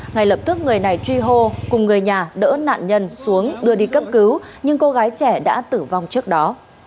ngay lập tức người này truy hô cùng người nhà đỡ nạn nhân xuống đưa đi cấp cứu nhưng cô gái trẻ đã tử vong trước đó